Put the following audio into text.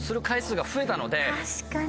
確かに。